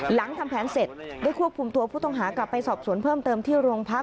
หลังทำแผนเสร็จได้ควบคุมตัวผู้ต้องหากลับไปสอบสวนเพิ่มเติมที่โรงพัก